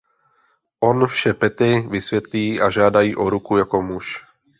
On vše Patty vysvětlí a žádá ji o ruku jako muž.